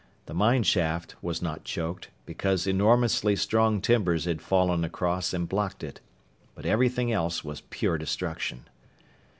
The mine shaft was not choked, because enormously strong timbers had fallen across and blocked it. But everything else was pure destruction.